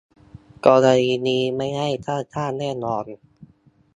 กรณีนี้ไม่ได้ค่าจ้างแน่นอน